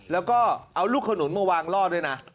แล้วก็เอาลูกขนุนมาวางล่อด้วยนะ